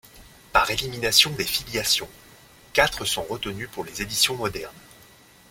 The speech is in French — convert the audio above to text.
Par élimination des filiations, quatre sont retenus pour les éditions modernes.